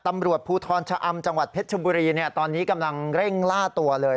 ตำรวจภูทรชะอำจังหวัดเพชรชบุรีตอนนี้กำลังเร่งล่าตัวเลย